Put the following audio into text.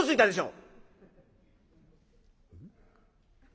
「うん？」。